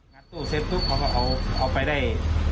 งัดตู้เซฟตุ๊กเขาก็เอาไปได้